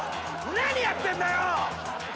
何やってんだよ！